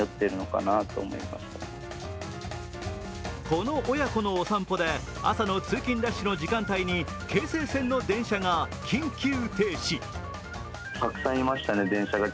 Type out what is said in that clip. この親子のお散歩で、朝の通勤ラッシュの時間帯に京成線の電車が緊急停止。